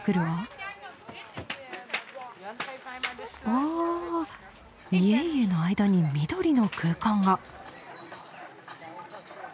わあ家々の間に緑の空間が。